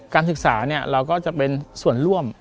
การศึกษาเราก็จะเป็นส่วนร่วม